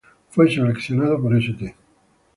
Fue seleccionado por St.